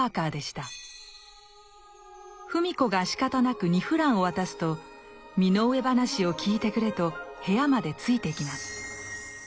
芙美子がしかたなく２フランを渡すと身の上話を聞いてくれと部屋までついてきます。